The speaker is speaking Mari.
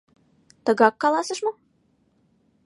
— Тыгак каласыш мо?